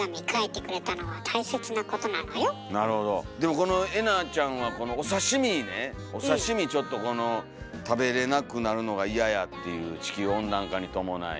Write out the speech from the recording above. でもこのえなちゃんはこのお刺身ねお刺身ちょっとこの食べれなくなるのが嫌やっていう地球温暖化に伴い。